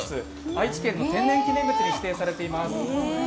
愛知県の天然記念物に指定されています。